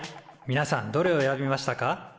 みなさんどれを選びましたか？